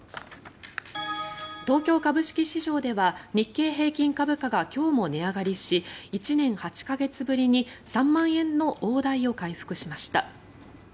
東京株式市場では日経平均株価が今日も値上がりし１年８か月ぶりに３万円の大台を回復しました。